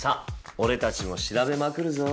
俺たちも調べまくるぞ。